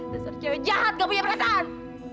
dasar cewek jahat gak punya perasaan